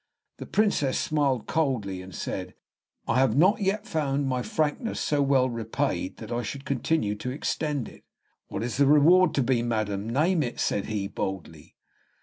The Princess smiled coldly, and said, "I have not yet found my frankness so well repaid that I should continue to extend it." "What is the reward to be, madam? Name it," said he, boldly.